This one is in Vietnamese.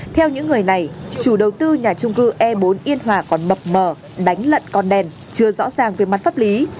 theo những người này chủ đầu tư nhà trung cư e bốn yên hòa còn mập mờ đánh lận con đèn chưa rõ ràng về mặt pháp lý